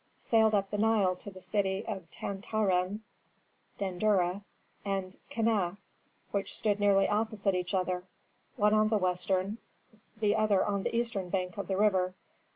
sailed up the Nile to the city of Tan ta ren (Dendera) and Keneh, which stood nearly opposite each other: one on the western, the other on the eastern bank of the river.